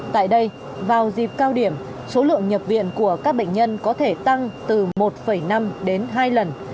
tại đây vào dịp cao điểm số lượng nhập viện của các bệnh nhân có thể tăng từ một năm đến hai lần